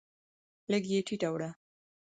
لږ یې ټیټه وړه